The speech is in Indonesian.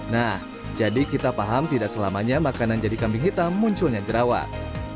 nah jadi kita paham tidak selamanya makanan jadi kambing hitam munculnya jerawat